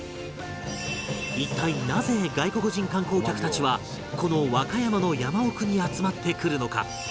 一体なぜ外国人観光客たちはこの和歌山の山奥に集まってくるのか？